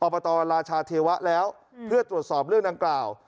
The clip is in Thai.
บตราชาเทวะแล้วเพื่อตรวจสอบเรื่องดังกล่าว